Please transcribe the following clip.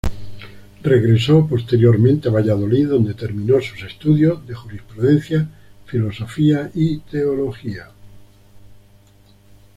Regresó posteriormente a Valladolid donde terminó sus estudios de Jurisprudencia, Filosofía y Teología.